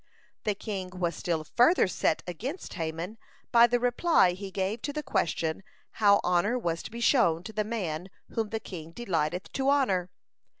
The king was still further set against Haman by the reply he gave to the question, how honor was to be shown to the man whom the king delighteth to honor.